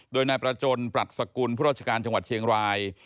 โดยนายประจนปรัชสกุลผู้ราชการจังหวัดเชียงราย